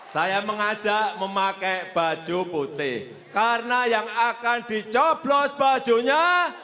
saya mengajak memakai baju putih karena yang akan dicoblos bajunya